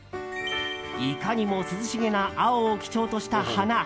いかにも涼しげな青を基調とした花。